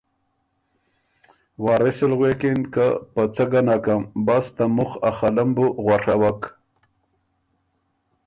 وارث ال غوېکِن که ”په څۀ ګه نکم بس ته مُخ ا خَلۀ م بو غؤڒَوَک“